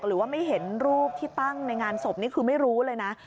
หรือว่าไม่เห็นรูปที่ตั้งในงานศพนี่คือไม่รู้เลยนะ